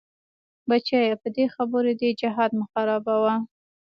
بچيه په دې خبرو دې جهاد مه خرابوه.